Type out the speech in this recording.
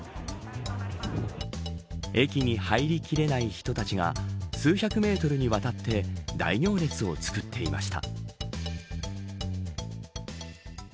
駅に入りきれない人たちが数百メートルにわたって大行列を作っていました。